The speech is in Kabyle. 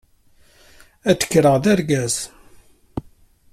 Ad k-rreɣ d argaz.